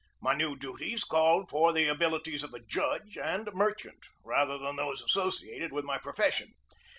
My new duties called for the abilities of a judge and a merchant rather than those associated with my profession.